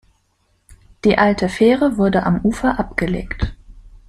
Die alte Fähre wurde am Ufer abgelegt.